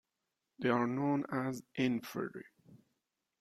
They are known as Inferi.